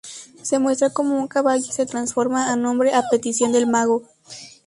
Se muestra como un caballo y se transforma en hombre a petición del mago.